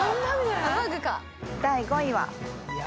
第５位は。